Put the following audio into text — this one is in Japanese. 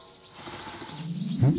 うん？